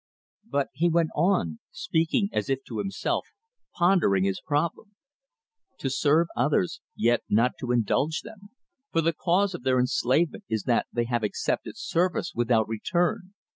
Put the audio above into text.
But he went on, speaking as if to himself, pondering his problem: "To serve others, yet not to indulge them; for the cause of their enslavment is that they have accepted service without return.